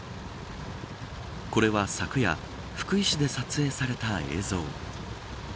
これは、昨夜福井市で撮影された映像。